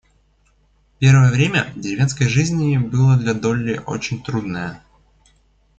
Первое время деревенской жизни было для Долли очень трудное.